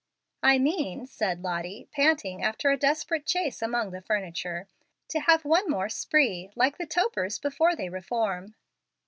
"I mean," said Lottie, panting after a desperate chase among the furniture, "to have one more spree, like the topers before they reform."